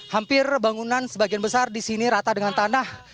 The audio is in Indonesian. hampir bangunan sebagian besar di sini rata dengan tanah